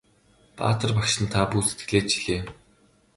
Баатар багштан та бүү сэтгэлээ чилээ!